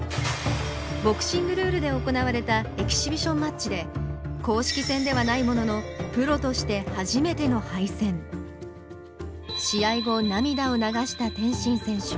ボクシングルールで行われたエキシビションマッチで公式戦ではないものの試合後涙を流した天心選手。